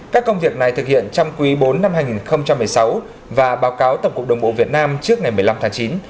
các công việc này thực hiện trong quý bốn năm hai nghìn một mươi sáu và báo cáo tổng cục đồng bộ việt nam trước ngày một mươi năm tháng chín